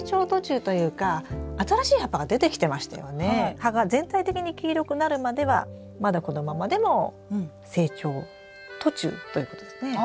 葉が全体的に黄色くなるまではまだこのままでも成長途中ということですね。